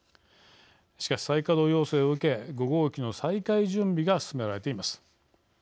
しかし、再稼働要請を受け５号機の再開準備が進められています。